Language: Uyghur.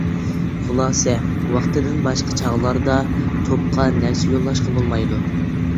خۇلاسە ۋاقتىدىن باشقا چاغلاردا توپقا نەرسە يوللاشقا بولمايدۇ.